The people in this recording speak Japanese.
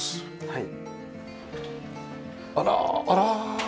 はい。